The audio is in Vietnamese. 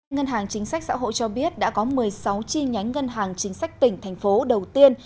ngân hàng chính sách xã hội cho biết đã có một mươi sáu chi nhánh ngân hàng chính sách tỉnh thành phố đầu tiên